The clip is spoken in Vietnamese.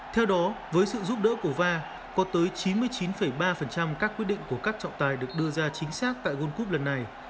theo đó với sự giúp đỡ của va có tới chín mươi chín ba các quyết định của các trọng tài được đưa ra chính xác tại world cup lần này